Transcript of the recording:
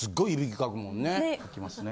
・かきますね・